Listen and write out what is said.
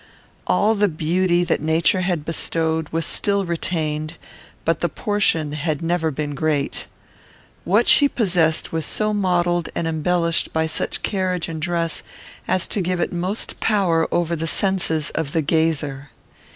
All the beauty that nature had bestowed was still retained, but the portion had never been great. What she possessed was so modelled and embellished by such a carriage and dress as to give it most power over the senses of the gazer.